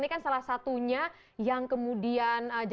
ini kan salah satunya yang kemudian